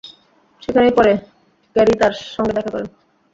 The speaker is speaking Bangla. সেখানেই পরে কেরি তার সঙ্গে দেখা করেন।